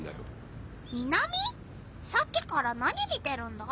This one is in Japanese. さっきから何見てるんだ？